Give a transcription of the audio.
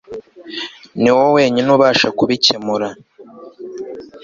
Niwowe wenyine ubasha kubicyemura